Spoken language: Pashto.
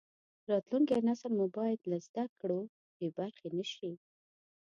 راتلونکی نسل مو باید له زده کړو بې برخې نشي.